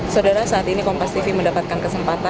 saudara saat ini kompastv mendapatkan kesempatan